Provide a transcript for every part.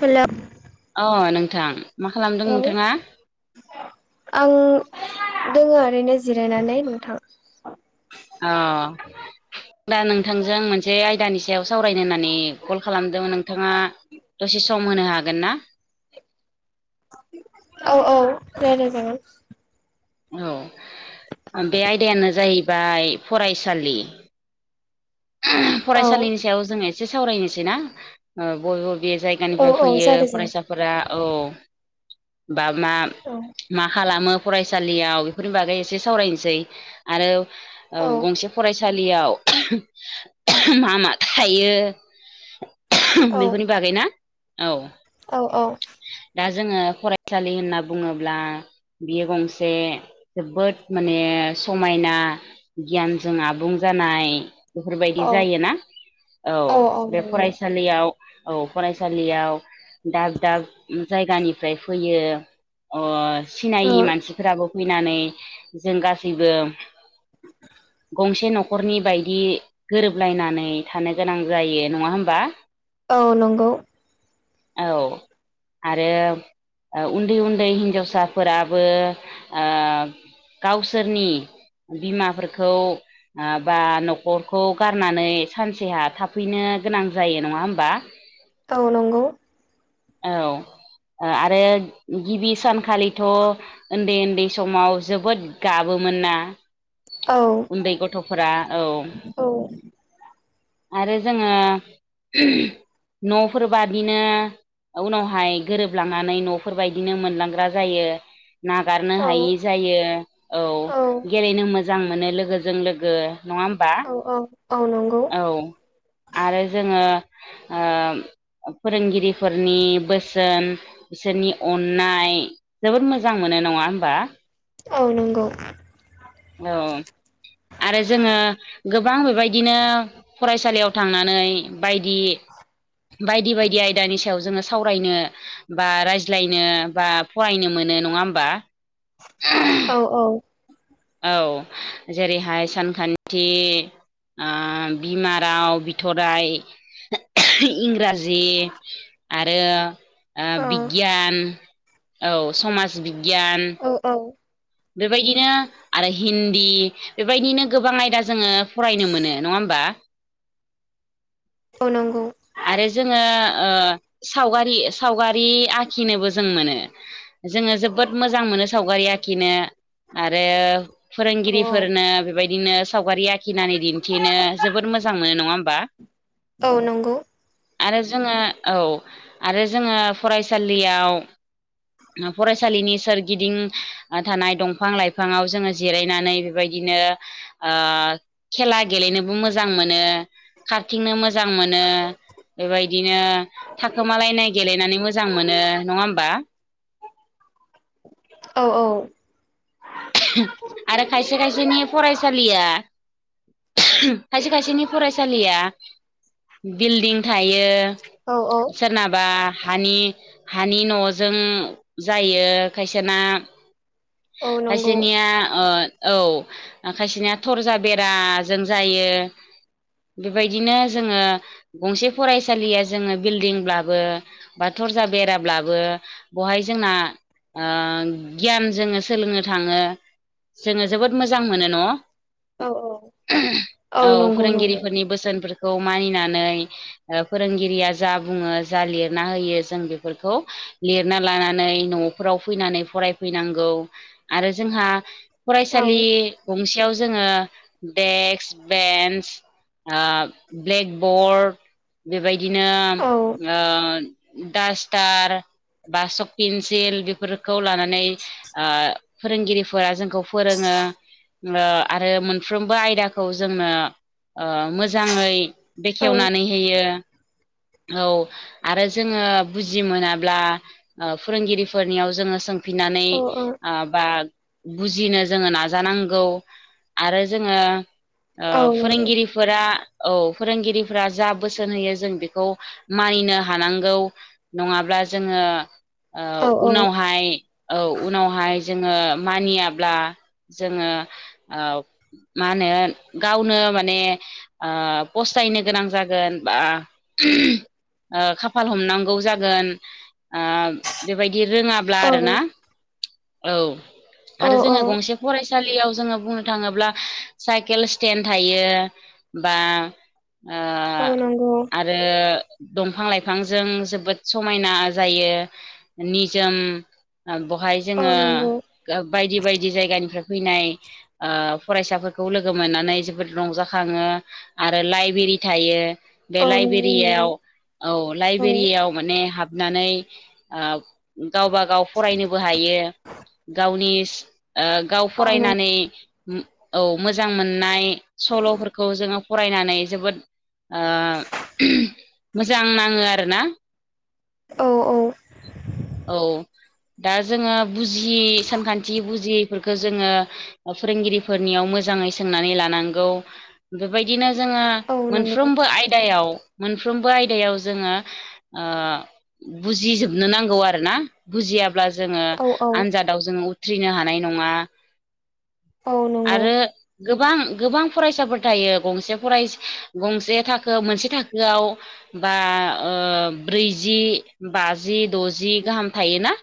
Hello. अ नोंथां मा खालामदों औ नोंथाङा? आं दोङ ओरैनो जिरायनानै नोंथां। अ दा नोंथांजों मोनसे आयदानि सो सायाव सावरायनो होननानै कल खालामदोंमोन नोंथाङा दसे सम होनो हागोन ना? औ औ दे जागोन। औ बे आयदायानो जाहैबाय फरायसालि औ फरायसालिनि सायाव जोङो एसे सावरायनोसैना बय ओ बे जायगानिफ्राय औ फैयो जागाय जागोन फरायसाफोरा औ बा मा मा खालामो फरायसालियाव बेफोरनि बागै एसे सावरायनोसै आरो औ गंसे फरायसालियाव मा मा थायो बेफोरनि बागैना? औ। औ औ। दा जोङो फरायसालि होनना बुङोब्ला बियो गंसे जोबोद माने समायना गियानजों आबुं जानाय बेफोरबायदि औ जायोना औ औ बे फरायसा नंगौ फरायसालियाव औ फरायसालियाव दाब दाब जायगानिफ्राय फैयो औ सिनायि मानसिफोराबो फैनानै जों गासैबो गंसे न'खरनि बायदि गोरोबलायनानै थानो गोनां जायो नङा होमबा औ नंगौ औ आरो उन्दै उन्दै हिन्जावसाफोराबो गावसोरनि बिमाफोरखौ बा न'खर खौ गारनानै सानसेहा थाफैनो गोनां जायो नङा होमबा औ नंगौ औ आरो गिबि सानखालिथ' उन्दै उन्दै समाव जोबोद गाबोमोन नना औ उन्दै गथ'फोरा औ औ आरो जोङो न'फोर बादिनो उनावहाय गोरोबलांनानै न'फोरबायदिनो मोनलांग्रा जायो नागारनो हायि जायो औ गेलेनो मोजां मोजां मोनो लोगोजों लोगो नङा होमबा औ औ आनंांगौ औ आरो जोङो फोरोंगिरिफोरनि बोसोन बिसोरनि अननाय जोबोद मोजां मोनो नङा होमबा औ नंगौ आरो जोङो गोबां बेबायदि बिदिनो फरायसालियाव थांनानै बायदि बायदि बायदि आयदानि सायाव जोङो सावरायनो बा रायज्लायनो बा फरायनो मोनो नङा होमबा औ औ औ जेरैहाय सानखान्थि बिमाराव बिथरराय इंराजि जि आरो औ बिगियान औ समाज बिगियान औ औ बेबायदिनो आरो हिन्दी बेबायदिनो गोबां आयदा जोङो फरायनो मोनो नङा होमबा नंगौ आरो जोङो सावगारि सावगारि आखिनोबो जों मोनो जोङो जोबोद मोजां मोनो सावगारि आखिनो आरो औ औ फोरोंगिरिफोरनो बेबायदिनो सावगारि आखिनानै दिन्थिनो जोोबद मोजां मोनो नङा होमबा औ नंगौ आरो जोङो औ आरो जोङो फरायसालियाव फरायसालिनि सोरगिदिं थानाय दंफां लाइफाङाव जोङो जिरायनानै बेबायदिनो खेला गेलेनोबो मोजां मोनो खारथिंनो मोजां मोनो बेबायदिनो थाखोमालायनाय गेलेनानै मोजां मोनो नङा होमबा औ औ। आरो खायसे खायसेनि फरायसालिया खायसे खायसेनि फरायसालिया बिल्डिं थायो औ औ। सोरनाबा हानि हानि न'जों जायो खायसेना। औ नंगौ खायसेनिया ओ औ खायसेनिया थरजा बेराजों जायो। बेबायदिनो जोङो गंसे फरायसालिया जोङो बिल्डिंब्लाबो बा थरजा बेराब्लाबो बहाय जोंना ओ गियान जोङो सोलोंनो थाङो। जोङो जोबोद मोजां मोनो न'? औ औ औ नंगौ नंगौ फोरोंगिरिफोरनि बोसोनफोरखौ मानिनानै ओ फोरोंगिरिया जा बुङो जा लिरना होयो जों बेफोरखौ लिरना लानानै न' फोराव फैनानै फरायफैनांगौ आरो जोंहा औ फरायसालि गंसेयाव जोङो डेक्स, बेन्स, ओ ब्लेकबर्ड बेबायदिनो औ ओ डास्टार बा सक पेन्सिल बेफोरखौ लानानै ओ फोरोंगिरिफोरा जोंखौ फोरोङो। ओम आरो मोनफ्रोमबो आयदाखौ जोंनो मोजाङै औ बेखेवनानै होयो। औ आरो जोङो बुजि मोनाब्ला ओ फोरोंगिरिफोरनियाव जोङो सोंफिननानै औ ओ बा बुजिनो जोङो नाजानांगौ आरो जोङो ओ औ नंगौ फोरोंगिरि फोरा औ फोरोंगिरिफोरा जा बोसोन होयो जों बेखौ मानिनो हानांगौ। नङाब्ला जोङो औ उनावहाय औ उनावहाय जोङो मानियाब्ला जोङो ओ मा होनो गावनो माने ओ फस्थायनो गोनां जागोन बा ओ खाफाल हमनांगौ जागोन। ओ बेबायदि रोङाब्ला औ आरोना। औ औ आरो औ जोंहा गंसे फरायसालियाव जोङो बुंनो थाङोब्ला साइकेल स्टेन्ड थायो बा ओ औ नंगौ आ रो दंफां लाइफांजों जोबोद समायना जायो। निजोम ओम बहाय औ जोङो नंगौ लो बायदि बायदि जायगानिफ्राय फैनाय ओ फरायसाफोरखौ लोगो मोननानै जोबोद रंजाखाङो। आरो लाइबेरि थायो। बे औ नंगौ लाइबेरियाव औ नंगौ लाइबेरियाव माने हाबनानै ओ गावबा गाव फरायनोबो हायो। गावनि सि ओ गाव औ नंगौ फरायनानै उम औ मोजां मोननाय सल'फोरखौ जोङो फरायनानै जोबोद ओ मोजां नाङो आरोना। औ औ। औ दा जोङो बुजियै सानखान्थि बुजियैफोरखौ जोङो फोरोंगिरिफोरनियाव मोजाङै सोंनानै लानांगौ। बेबायदिनो जोङो औ नंगौ मोनफ्रोमबो आयदायाव मोनफ्रोमबो आयदायाव जोङो ओ बुजिजोबनो नांगौ आरो। आरोना बुजियाब्ला जोङो औ औ आनजादाव जोङो उथ्रिनो हानाय नङा। औ नंगौ आरो गोबां गोबां फरायसाफोर थायो गंसे फराय गंसे थाखो मोनसे थाखोआव बा ओ ब्रैजि, बाजि, द'जि, गाहाम थायो ना?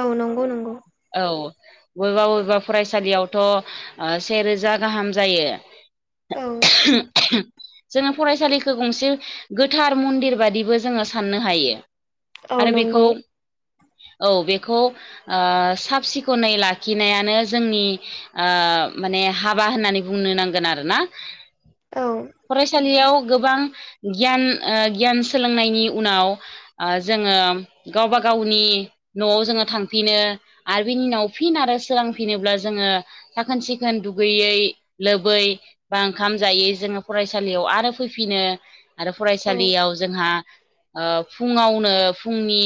औ नंगौ नंगौ। औ बबेबा बबेबा फरायसालियावथ' ओ सेेरोजा गाहाम जायो। औ [inaudible] जोङो फरायसालिखो गंसे गोथार मन्दिर बादिबो जोङो साननो हायो। औ आरो बेखौ नंगौ औ बेखौ ओ साब सिखोनै लाखिनायानो जोंनि ओ माने हाबा होननानै बुंनो नांगोन आरो ना? औ फरायसालियाव गोबां गियान ओ गियान सोलोंनायनि उनाव ओ जोङो गावबा गावनि न'आव जोङो थांफिनो। आरो बिनि उनाव फिन आरो सोरांफिनोब्ला जोङो साखोन सिखोन दुगैयै लोबै बा ओंखाम जायै जोङो फरायसालियाव आरो फैफिनो आरो औ फरायसालियाव जोंहा ओ फुङावनो फुंनि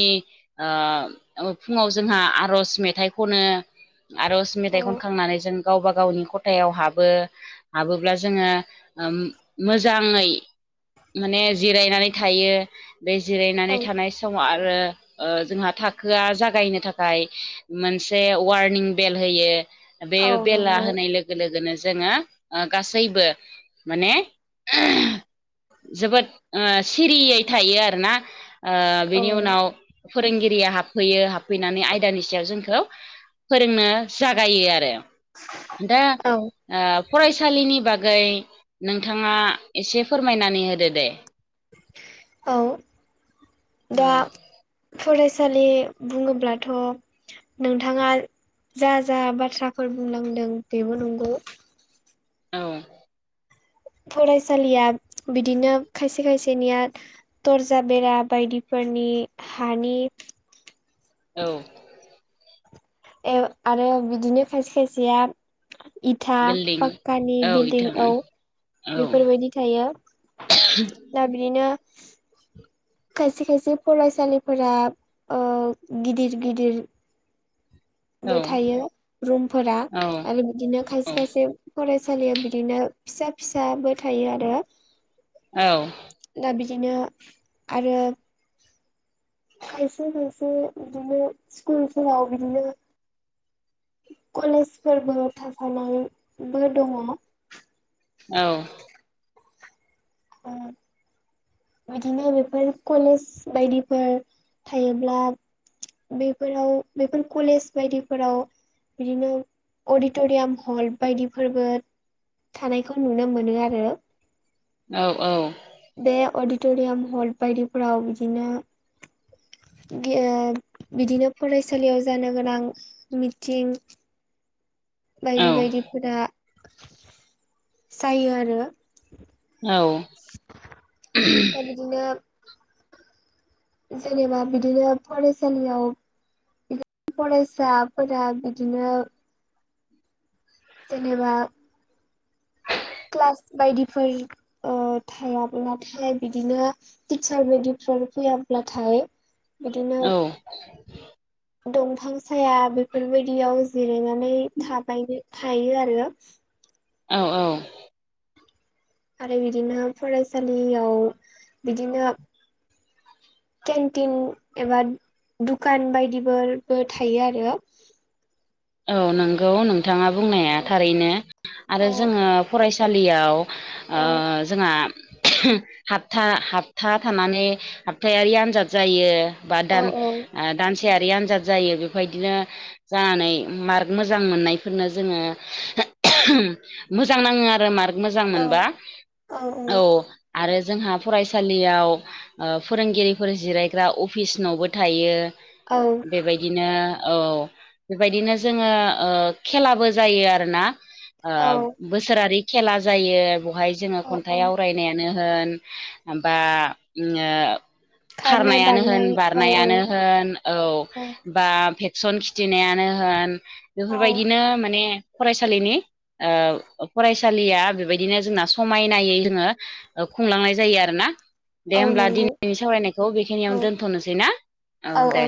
ओ फुङाव जोंहा आर'ज मे थाइ खनो, आर'ज औ मेथाइ खनखांनानै जों गावबा गावनि खथायाव हाबो। हाबोब्ला जोङो ओम मोजाङै माने जिरायनानै थायो। बे औ जिरायनानै थानाय समाव आरो ओ जोंहा थाखोआ जागायनो थाखाय मोनसे वारनिं बेल होयो बे औ बेला नंगौ होनाय लो गो लोगोनो जोङो ओ गासैबो माने जोबोद ओ सिरियै थायो आरो ना। ओ औ बिनि उनाव फोरोंगिरिया हाबफैयो हाबफैनानै आयदानि सायाव जों खौ फोरोंनो जागायो आरो दा औ ओ फरायसालिनि बागै नोंथाङा एसे फोरमायनानै होदो दे। औ औ दा फरायसालि बुङोब्लाथ' नोंथाङा जा जा बाथ्राफोर बुंलांदों बेबो नंगौ। औ। फरायसालिया बिदिनो खायसे खायसेनिया तर्जा बेरा बायदिफोरनि हानि औ। एव आरो बिदिनो खायसे खायसेया इथा बिल्डिं पाक्कानि औ बिल्दिं इथां औ औ बेफोरबायदि थायो दा बिदिनो खायसे खायसे फरायसालिफोरा ओ गिदिर गिदिर औ बो थायो रुमफोरा औ औ आरो बिदिनो खायसे खायसे फरायसालियाव बिदिनो फिसा फिसाबो थायो आरो। औ। दा बिदिनो आरो खायसे खायसे बिदिनो स्कुलफोराव बिदिनो कलेजफोरबो थाफानाय बो दङ। औ। अ बिदिनो बेफोर कलेज बायदिफोर थायोब्ला बेफोराव बेफोर कलेज बायदिफोराव बिदिनो अडिट'रियाम हल बायदिफोरबो थानायखौ नुनो मोनो आरो। औ औ। बे अडिट'रियाम हल बायदिफोराव बिदिनो बि ओ बिदिनो फरायसालियाव जानो गोनां मिटिं बायदि बायदिफोरा जायो आरो औ ओमफ्राय बिदिनो जेनेबा बिदिनो फरायसालियाव बि फरायसाफोरा बिदिनो जेनेबा क्लास बायदिफोर ओ थायाब्लाथाय बिदिनो टिचार बायदिफोर फैयाब्ला थाय बिदिनो औ दंफां साया बेफोरबायदियाव जिरायनान नै थाबायनो थायो आरो औ औ आरो बिदिनो फरायसालियाव बिदिनो केन्टिन एबा दुकान बायदिबोरबो थायो आरो औ नंगौ नोंथाङा बुंनाया थारैनो आरो औ जोङो फरायसालियाव औ ओ जोंहा हाबथा हाबथा थानानै हाबथायारि आनजाद जायो। बा औ दान ओ दानसेयारि आनजाद जायो बेफबायदिनो जानानै मार्क मोजां मोननायफोरनो जोङो मोजां नाङो आरो मार्क मोजां औ मोनबा औ आरो जोंहा फरायसालियाव ओ फोरोंगिरिफोर जिरायग्रा अफिस न'बो थायो। औ बेबायदिनो औ बेबायदिनो जों जोङो ओ खेलाबो जायो आरोना ओ औ बोसोरारि खेला जायो बहाय जोङो औ खन्थाइ औ आवरायनायानो ओन ओमबा ङो खारनाय खारनायानो होन बारनाय औ औ बारनायानो होन औ बा भेक्सन खिथिनायानो होन औ बेफोरबायदिनो माने फरायसालिनि ओ फरायसालिया बेबायदिनो जोंना समायनायै जोङो ओ खुंलांनाय जायो आरोना। दे औ होमब्ला नंगौ दिनैनि सावरायनायखौ औ बेखिनियावनो दोनथ'नोसै ना औ दे।